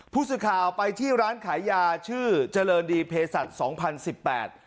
ผู้สื่อข่าวไปที่ร้านขายยาชื่อเจริญดีเพศัตริย์สองพันสิบแปด